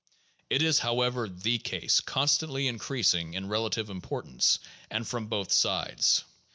It is, however, the case constantly increasing in relative importance, and from both sides.